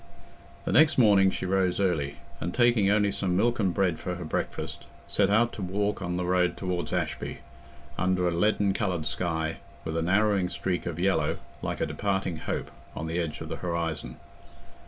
The next morning she rose early, and taking only some milk and bread for her breakfast, set out to walk on the road towards Ashby, under a leaden coloured sky, with a narrowing streak of yellow, like a departing hope, on the edge of the horizon.